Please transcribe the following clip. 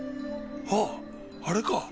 あああれか。